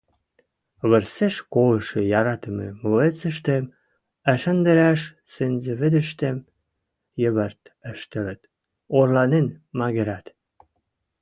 вырсеш колышы яратымы млоецӹштӹм ӓшӹндӓрӓш сӹнзӓвӹдӹштӹм йӹвӹрт ӹштӹлӹт, орланен мӓгӹрӓт...